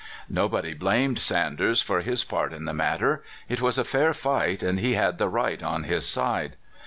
Nobody blamed Sanders for his part in the matter. It was a fair fight, and he had the right on his side.